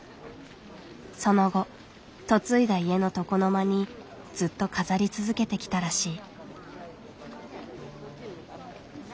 その後嫁いだ家の床の間にずっと飾り続けてきたらしい。